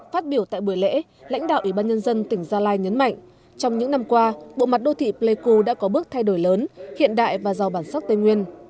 phát biểu tại buổi lễ lãnh đạo ubnd tỉnh gia lai nhấn mạnh trong những năm qua bộ mặt đô thị pleiku đã có bước thay đổi lớn hiện đại và giàu bản sắc tây nguyên